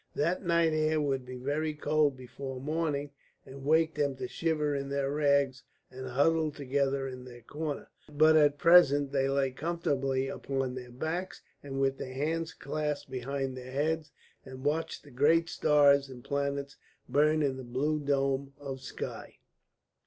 That night air would be very cold before morning and wake them to shiver in their rags and huddle together in their corner. But at present they lay comfortably upon their backs with their hands clasped behind their heads and watched the great stars and planets burn in the blue dome of sky.